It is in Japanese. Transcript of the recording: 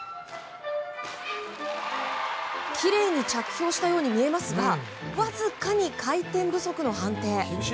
きれいに着氷したように見えますがわずかに回転不足の判定。